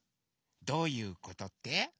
どういうことって？